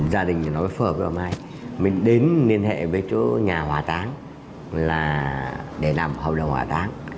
gia đình nói phở với mai mình đến liên hệ với chỗ nhà hỏa táng để làm hợp đồng hỏa táng